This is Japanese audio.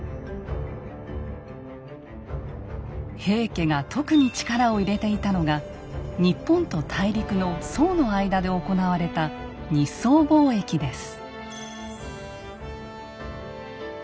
平家が特に力を入れていたのが日本と大陸の宋の間で行われた日宋貿易です。